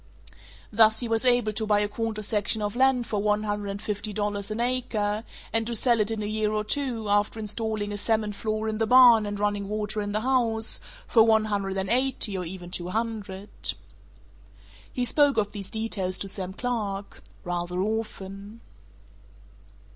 Thus he was able to buy a quarter section of land for one hundred and fifty dollars an acre, and to sell it in a year or two, after installing a cement floor in the barn and running water in the house, for one hundred and eighty or even two hundred. He spoke of these details to Sam Clark ... rather often.